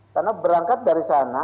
karena berangkat dari sana